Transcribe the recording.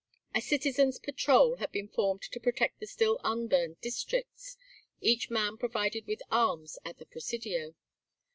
A Citizens' Patrol had been formed to protect the still unburned districts, each man provided with arms at the Presidio.